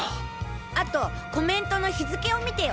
あとコメントの日付を見てよ。